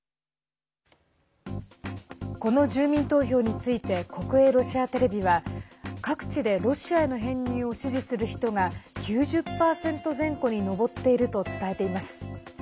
この住民投票について国営ロシアテレビは各地でロシアへの編入を支持する人が９０％前後に上っていると伝えています。